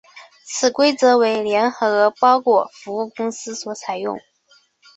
此规则为联合包裹服务公司所采用。